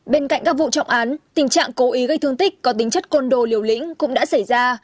bên cạnh các vụ trọng án tình trạng cố ý gây thương tích có tính chất côn đồ liều lĩnh cũng đã xảy ra